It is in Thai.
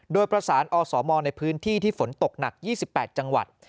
โดยประสานอสมในพื้นที่ที่ฝนตกหนัก๒๘จังหวัด